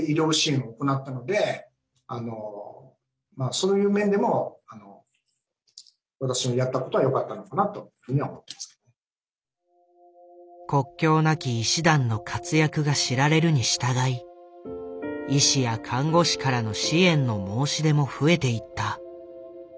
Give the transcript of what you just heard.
そういう面でも国境なき医師団の活躍が知られるに従い医師や看護師からの支援の申し出も増えていった。